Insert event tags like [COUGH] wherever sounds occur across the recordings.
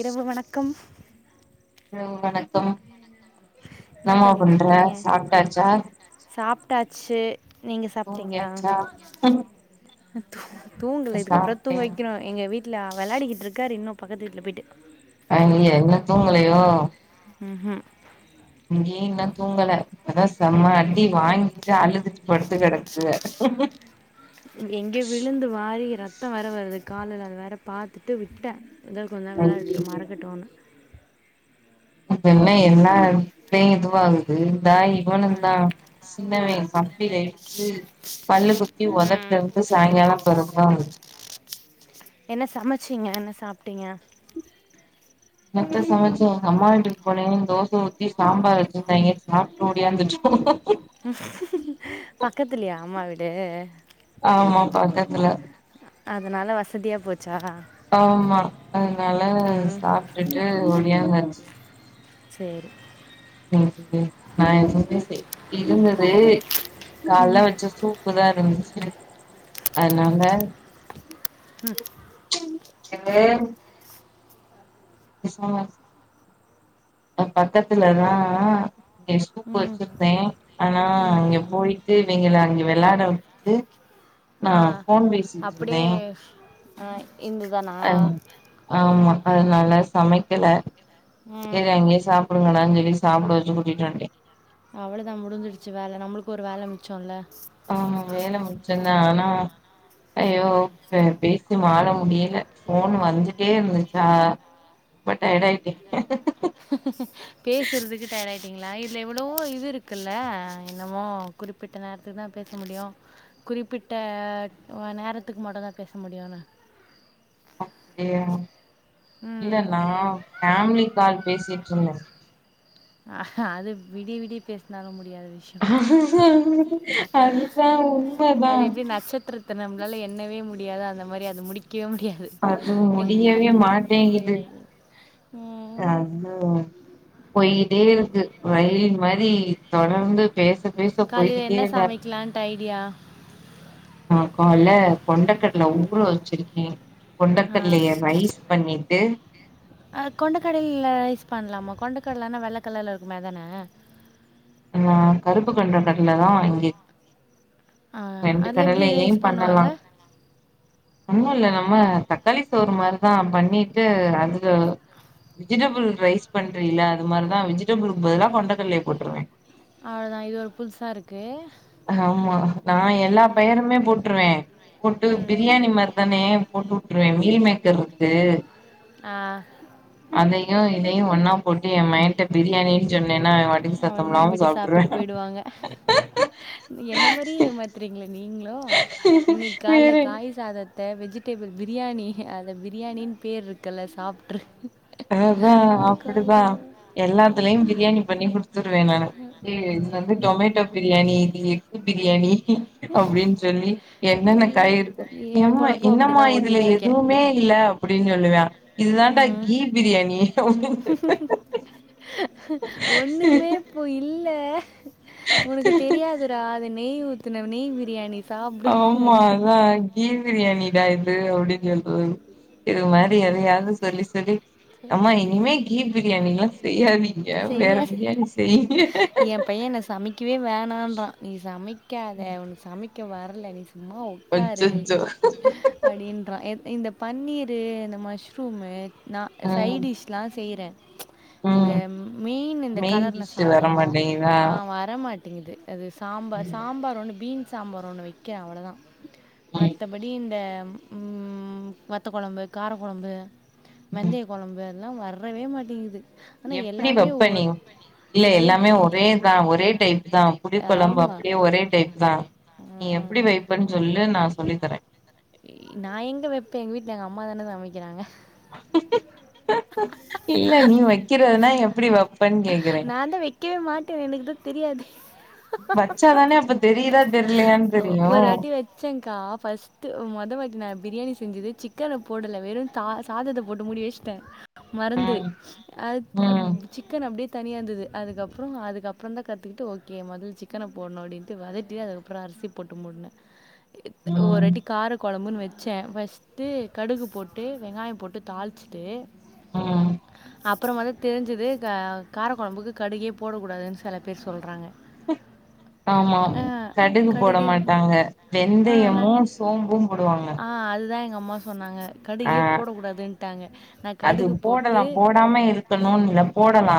இரவு வணக்கம் இரவு வணக்கம் என்ன ன்னாமா பண்ற பண்ணிட்டுருக்கீங்க சாப்டாச்சா சே நீங்க சாப்ட்டீங்ளா தூங்கல இதுக்கப்பற சாப்ட்டே தூங் வைக்கிணு எங்க வீட் இல்லா அ வெள்ளாடிக்கிட்ருக்காரு இன்னு பக்கத்து வீட்ல போயிட்டு ஐயிய இன்ன தூங்கலயோ ஹு ஹு இங்கி இன்ன தூங்கல அதா செம்ம அடி வாங்கிட்டு அழுதுட்டு படுத்து கடக்கு எங்க விழுந்து வாரி ரத்த வேர வருது காலுல அத வேற பாத்துட்டு விட்ட இதா கொஞ்ச நேர வேலாடட்டு ஐயய்ய மறக்கட்டுனு இப்ப என்ன என்னாயிரு நே இதுவாகுது தா இவனு தா ம். சின்னவே கப்பிலஇட்ச்சு பல்லு குத்தி ம். ஒதட்ல குத்து சாய்ங்காலோ அப்ப தா கோவந்துச்சு என்ன சமச்சீங்க என்ன சாப்ட்டீங்க னத்த சமச்சோ எங்க அம்மா வீட்டுக்கு போனே தோச ஊத்தி சாம்பார் வச்சிருந்தாய்ங்க சாப்ட்டு ஓடியாந்துட்டோ பக்கத்துலியா அம்மா வீட் ஆமா பக்கத்துல அதனால வசதியா போ ஆமா அதனால ம் சாப்ட்டுட்டு ஒடியாந்தாச்சு சேரி சேரி சேரி நா எதுமே செய் இருந்துது காலெலா வெச்ச சூப்புதா இருந்துது செர் அதனால ம் எ வே பேசாம பக்கத்துலதா இங்க சூப்பு ம் வெச்சிருந்தே ஆனா ம் அங்க போயிட்டு இவிங்கள அங்க வெளாட வுட்டுட்டு நா ஆ ஃபோன் பேசிட்ருந்தே அப்படியே ஆ இந்துதானா ஆமா அதனால சமைக்கல ம் சேரி அங்கயே சாப்பிடுங்கடான் சொல்லி சாப்பட வெச்சு கூட்டிட் வன்ட்டே அவ்ளதா முடிஞ்சிருச்சு வேல நம்மளுக்கு ஒரு வேல மிச்சல்ல ஆ வேல மிச்சந்தா ஆனா ஐயோ ப பேசி மாற முடியல ஃபோன் வந்துட்டே இருந்துச்சா ரொம்ப டயர்ட் ஆயிட்டே பேசுறதுக்கு டயடாயி டிங்ளா இதுல எவ்ளோ இது இருக்குல்ல என்னமோ குறிப்பிட்ட நேரத்துக்குதா பேச முடியு குறிப்பிட்ட நேரத்துக்கு மட்டுந்தா பேசமுடியுனு அப்டியா ம் இல்ல நா ஃபேமிலி கால் பேசிட்ருந்த ஆ அது விடிய விடிய பேசினாலு முடியாத விஷயம் அதுதா உண்மதா மனால எண்ணவே முடியாதோ அந்த மாரி அது முடிக் அது முடியவே மாட்டேங்குது முடியாது அதுவா போயிட்டே இருக்கு ரயில் மாரி தொடர்ந்து பேச பேச காலைல என்ன போய்கிட்டேதா இருக்கு சமைக்கலான்ட்டு ஐடியா நா கால்ல கொண்டக்கடல ஊர வச்சிருக்கே கொண்டக்கடலைய ரைஸ் பண்ணிட்டு அ கொண்டக்கடல ரைஸ் பண்ணலாமா கொண்டக்கடலானா வெள்ளக் கலர்ல இருக்குமே அதானே நா கருப்பு கொண்டகடல தா இங்கே ஆ அதுல எப்படி ரைஸ் பண்ணுவாங்க ஒண்ணு இல்ல நம்ம தக்காளி சோற மாரிதா பண்ணிட்டு அதுல வெஜிடபிள் ரைஸ் பண்ரேல அது மாரிதா வெஜிடபிளுக்கு பதில்லா கொண்டைக்கடலைய போட்டுருவே அவ்வளோதா இது ஒரு புதுசா இருக்கு ஆமா நா எல்லா பெயருமே போட்டுருவே போட்டு ம் பிரியாணி மார்தானே போட்டு விட்டுருவே மில் மேக்கர் இருக்கு ஆ யும் இதையும் ஒன்னா போட்டு ஏ மகன்டா பிரியாணி சொன்னேன்னா அவன் வாட்டிக்கு அவள சத்தமிலாமா நம்பிட்டு சாப்பிட்டு சாப்பிட்டுரூவா போயிடுவாங்க என்ன மாதிரி ஏமாத்துறீங் நீங்களோ இன்னைக்கு காலைல வேற காய் சாத வெஜிடேபிள் பிரியாணி அத பிரியாணின்னு பேர் இருக்குல்ல சாப்பிட்டூர் அதா அப்படிதா ஆ எல்லாத்துலயு பிரியாணி பண்ணி கொடுத்துருவவே நானு இது வந்து டொமேட்டோ பிரியாணி இது எக்கு பிர் பிரியாணி அப்படின்னு சொல்லி என்னென்ன காய் இருக்கோ ஏ என்ம்ம பொழப்பு அப்டிதா என்னம்மா இதுல ஓட்டிட்ருக்கே எதுவுமே இல்ல அப்படி சொல்லுவ இது தான்டா ம் கி பிரியாணி ஒண்ணுமே போ இல் இல்ல உனக்கு தெரியாதுடா அது நெய் உ ஊத்தன நெய் பிரியாணி சாப்டு ஆமா அதா கீ பிரியாணிடா இது [UNINTELLIGIBLE] இது மாதிரி எதையாவது சொல்லி சொல்லி அம்மா அப்டி இனிமே கீ பிரியாணில்லா செய்யாதி செய்ய எ பைய என்ன சமைக்கவே வேணான்றா நீ சமைக்காத உனக் சமைக் க வற்ல சும்மா உக்காரு அச்சச்சோ அப்படின்றா எ இந்த பன்னீரு இந்த மஷ்ரூமு நா ம் சைடிஷ்லா செய்றே ம் இந்த மெய்ன் இந்த மெயின் கலர்ன டிஷ் வர சாதோ மாட்டேங்குதா ஆ வரமாட் டிங்குது அது சாம்பார் ம் சாம்பார் ஒன்னு பீன் சாம்பார் ஒன்னு வெக்க அவ்ளோதா மத்தபடி இந்த ம் ம் வத்த கொழம்பு கார கொழம்பு ம் வெந்தய கொழம்பு அதுலா வர வரவே மாடிங்குது அனா எ எப்பிடி வெப்ப நீ இல்ல எல்லாமே ஒரே தா ஒரே டைப்தா புளி கொழம்பு ஆமாம் அப்டியே ஒரே டைப் தா நீ எப்பிடி வைப்பன் சொல்லு நா சொல்லி தரே நா எங்க வெப்பே எங்க வீட்ல எங்கம்மாதான சமைக்கறாங்க இல்ல நீ வெக்கிறதுனா எப்பிடி வெப் நாந்தா வெக்கவே மாட்டேனே எனக்குதா தெரியாது வச்சாதானே அப்ப தெரியுதா தெரியலையான்னு தெரியு ஒரு வாட்டி வெச்சேங்க்கா ஃபஸ்டு மொத வாட்டி நா பிரியாணி செஞ்சதே சிக்கன போடல வெறு தா சாதத்த போட்டு மூடி வெச்ட்டே மறந்து ம் அது அ ம் சி அப்டியே தனியா இருந்துது அதுக்கப்றோ அதுக்கப்றந்தா கத்துகுட்டு ஓகே முதல் சிக்கன போடணு அப்டின்ட்டு வதட்டி அதுக்கப்றோ அரிசி போட்டு மூடுன ஒரு ம் வாட்டி கார கொழம்புன் வெச் வெச்சே வச்ட்டு கடுகு போட்டு வெங்காயொ போட்டு தாளிச்சுட்டு ம் அப்பறமாதா தெரிஞ்சுது க காரகொழம்புக்கு கடுகே போட கூடாதுன் சில பேர் சொல்றாங்க ஆமா ஆ கடுகு போட கடுகே மாட்டாங்க ஆ வெந்தயமு சோம்பு போடுவாங்க எங்கம்மா சொன்னாங்க கடுகே ஆ போட கூடாதுன்ட்டாங்க அது போடலா போடாம இருக்கணுன் இல்ல போடலா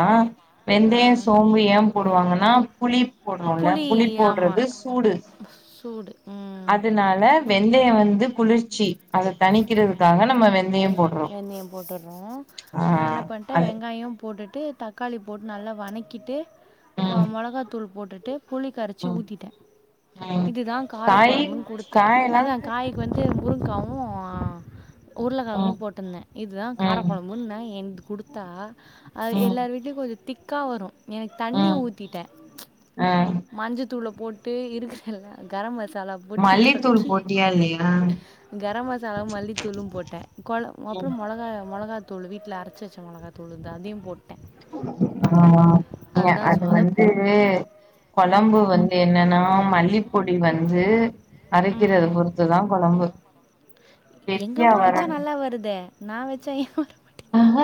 ஆ வெந்தய சோம்பு ஏ போடுவாங்கனா புளி போட்றோல்ல புளி போட்றது சூடு சூடு ம். அதுனால வெந்தய வந்து குளிர்ச்சி அத தணிக்கிறதுக்காக நம்ம வெந்தயம் போடுறோம் வெந்தய போட்டுட் னு ஆ நா என்ன பண்ட்டே அது வெங்காய போட்டுட்டு தக்காளி போட் நல்லா வனக்கிட்டு கொ ம் மொளகா தூள் போட்டுட்டு புளி கரச்சு ம் ஊத்திட்டே ம் இதுதா கார காய் கொழம்புன் குடுத்தே காயெல்லா அதா காய்கு வந்து முருங்காவூ ஆ உர்லகெழங்கு ம் போட் ன்னெ இதுதா ம் காரக்கொழம்புன்னெ என்க் குடுத்தா அது ம் எல்லார் வீட்ல்யு கொஞ் து திக்கா வரு எனக் தண்ணி ம் ஊத்திட்டே ச்ச் ஆ மஞ்சத் தூள போட்டு இருக்க எல்லா கரம்ம சாலா போட்டு மல்லித்தூள் கலக்கி போட்டியா இல்லையா கரம்மசாலாவு மல்லித்தூளு போட்டே கொழம் ம் அப்றோ மொளகா மொளகா தூளு வீட்ல அரச்சு வச்ச மொளக்தூளுதா அதயு போட் ஏ அதுதான் அது சொத வந்து கொழம்பு ம் வந்து என்னென்னா மல்லிப்பொடி வந்து அரைக்கிறத பொற்த்துதா கொழம்பு கெட்டியா எங்கம்மா வச்சா வரணு நல்லா வருதெ நா வச்சா ஏ வர மாட்டிக்கிது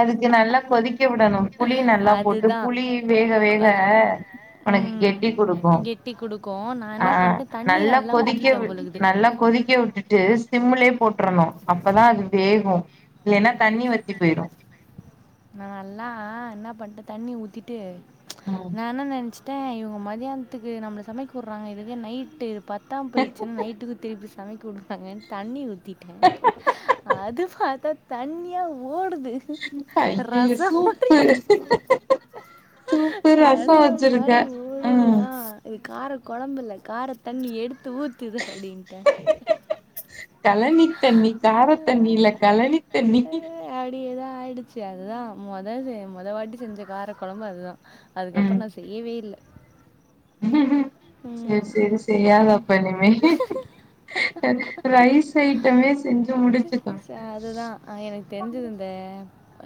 அதுக்கு நல்லா கொதிக் கெ விடணு புளி நல்லா போட்டு அதுதான் புளி வேக வேக அதுதான் ஒனக்கு ம் கெட்டி குடுக்கூ கெட்டி கொடுக்கும் நான் ஆ என்ன பண்ணிட்டேன் தண்ணி நல்லா கொதிக்க வி ஊற்றிட்டேன் பொழுகுது நல்லா கொதிக்க உட்டுட்டு சிம்முலே போட்ரணு அப்பதா அது வேகு இல்லென்னா தண்ணி வத்தி போய்ரு நா நல்லா என்ன பண்ட்ட தண்ணி ஊத்திட்டு ம் நா என்ன நென்ச்சு டே இவுங்க மதியான்த்துக்கு நம்ள சமைக்க வுர்றாங்க இதுவே நைட்டு பத்தாம் பொயிர்ச்சுன் நைட்டுகு திருப்பி சமக்குடுத்தாங்கன் தண்ணி ஊ திட்டே அது பாத்தா தண்ணியா ஓடுது அய்யய்ய ரசம் மாதிரி சூப்பு சூப்பு ரசோ ரசம் வச்சிருக்க மாதிரி ஓடுது ஆஹ் ஆ இது கார கொழம்ல கார தண்ணி எடுத் து ஊத்துது அப்டின்ட்ட னி தண்ணி கார தண்ணி இல்ல கழனி தண்ணி ஆய்டுச்சு அதுதா மொதது மொத வாட்டி செஞ்ச கார கொழம்பு அதுதா அதுகப்றோ ம் நா செய்யவே இல்ல ம் சேர் சேரி செய்யாத அப்ப இனிமே ரைஸ் ஐட்டமே செஞ்சு முடுச்சுக்கோ அதுதான் எனக்கு தெரிஞ்சது இந்த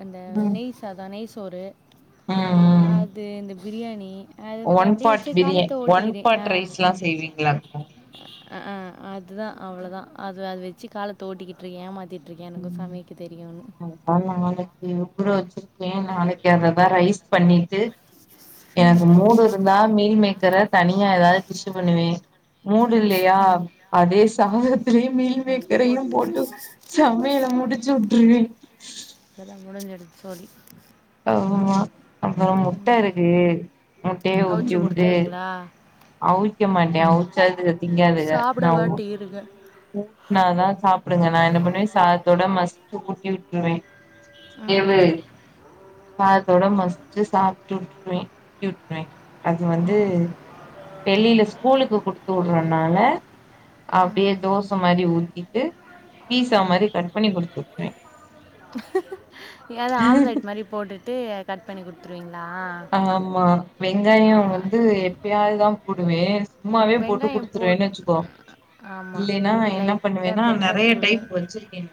அந்த ம் நெய் சாதம் நெய் சோறு ம் ம் அது இந்த பிரியாணி அது அப்படி ஒன் அப்படியே பாட் வச்சு பிரிய காலத்தை ஒன் ஓட்டிக்கிறேன் பாட் ட்ரைஸ்லா செய்வீங்ளா அ அதுதா அவ்ளோதா அது அது வெச்சி காலத்த ஓட்டிகிட்ருகே ஏமாத்திட் ம் [INAUDIBLE] ஏ நாளக்கி அததா ரைஸ் பண்ணிட்டு எனக்கு மூடு இருந்தா மீல் மேக் [UNINTELLIGIBLE] தனியா எதாது டிஷ்ஷு பண்ணுவே மூடு இல்லையா அதேஸ் த த்லியு மீள் மேக்கரையும் போட்டு சமயல் முடுச்சு உட்ருவே சோரி ஆமா அப்பறொ முட்ட இருக்கு முட்டய ஊத்தி அவிச்சு உட்டு கொடுத்துருவீங்களா அவிக்க மாட்டே அவுச்சா அதுக திங்காதுக சாப்பிட நா ஊ வாட்டி இருங்க ஊட்னாதா சாப் டுங்க நா என்ன பண்ணுவே சாதத்தோட மஸ்ச்சி ஊட்டி உட்ருவே வேவு ம் சாதத்தோட மசிச்சு சாப்டு உட்ருவே ஊட்டிவிட்ருவே அது வந்து வெளில ஸ்கூலுக்கு குடுத்து உடறனால அப்டியே ம் தோச மாரி ஊத்திட்டு பீசா ம் மாரி கட் பண்ணி குடுத்துட்டே ஏதாவது த்ருவிங் ஆமா வெங்காய ஆ, வந்து எப்பயாதுதா போடுவே சும்மாவே போட்டு வெங்காயம் போட் குடுத்துருவேனு வெச்சுக்கோ ஆமாம் இல்லைனா என்ன லைட்டாக பண்ணுவேனா பெப்பர் நெறையா தூள் டைப் வெச்சிருக்கே நா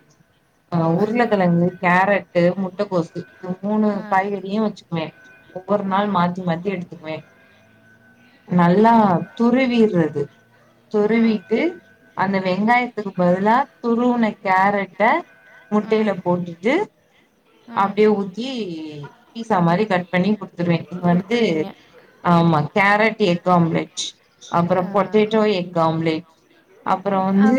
அ ம் உருளக்கெழங்கு கேரட் டு முட்டகோசு இந்த மூணு ம் காய்கறியு வச்சு மே ஒவ்வொரு நாள் ம் மாத்தி மாத்தி எடுத்துக்குவே நல்லா ம் துருவிறது ம் துருவிட்டு அந்த வெங்காய அதுக்கு பதிலா துருவுன கேரட்ட ம் முட்டையில போட்டுட்டு ம் அப்பிடியே ஊத்தி பீட்சா மாரி கட் [UNINTELLIGIBLE] வந்துருவ இங்க வந்து கொடுத்துருவீங்க ஆமா கேரட் எக் ஆம்லேட் அப்புறம் பொட்டேட்டோ எக் ஆம்லேட் அப்புறம் வந்து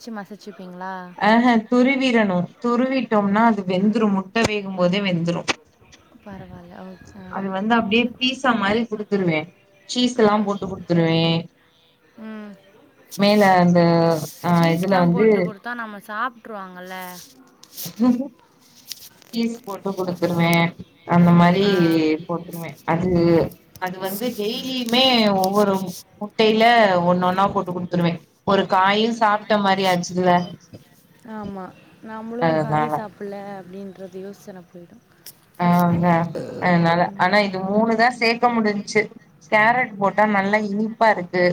ச்சு மசிச்சுப் அப்பிடிங்களா ஆஹ துருவிரணு துருவிட்டோம்னா அது வெந்துரும் முட்ட வேகும் போதே வெந்துரும் பற அது வந்து அப்பிடியே பீட்சா மாரி குடுத் துருவே சீஸ் எல்லாம் ம். போட்டு குடுத்துருவே ம். மேல அந்த அஹ் இதுல வந்து விட்டுருவாங்கள்ல சீஸ் போட்டு குடுத்துருவே அந்த மாரி ஆ. போட்டுருவே அது அது வந்து டெய்லியுமே ஒவ்வொரு முட்டையில ஒன்னு ஒன்னா போட்டுக் குடுத்துருவே ஒரு காயும் சாப்பிட்ட மாரி ஆச்சு இல்ல ஆமா. நம்மளும் காய் சாப்பிடல அப்டின்னு அந்த யோசன போயிடு ஆஹன் அதுனால ஆனா ம். இது மூணுதா சேக்க முடிஞ் செரி கேரட் போட்டா நல்லா இனிப்பா இருக்கு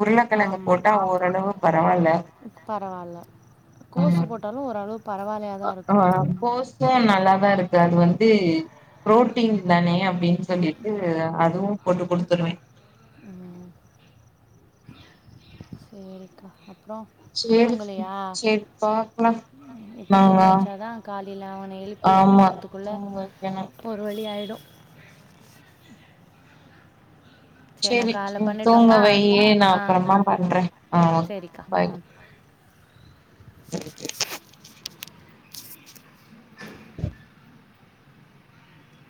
உருளக்கெழங்கு ஆமா. போட்டா ஓரளவு பரவால்ல பரவால்ல. கோஸு போட்டாலும் ஓரளவு பரவாயில்லையா தான் இருக்கும். ஆஹ கோசு நல்லாதா இருக்கு அது வந்து புரோட்டீன் தானே அப்டின்னு சொல்லிட்டு அதுவு போட்டு குடுத்துருவ ம். சேரிக்கா அப்றோ சேரி தூங்கலையா சேரி பாக்கலா இப்ப நாங்க தூங்க வெச்சாதா காலில அவன எழுப்பி ஆமா அனுப்புறதுக்குள்ள தூங்க வைக்கணு ஒரு வழி ஆயி சரி செரி நான் காலைல தூங்க பண்ணட்டுங்களா? வையு நா ஆ. அப்பறமா பண்றே ஆ சரிக்கா பாய் ம்